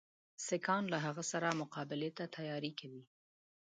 سیکهان له هغه سره مقابلې ته تیاری کوي.